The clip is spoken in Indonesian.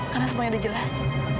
karena semuanya udah jelas